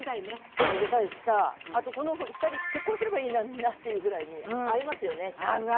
そうめでたいしさあとこのふたり結婚すればいいのになっていうぐらいに合いますよね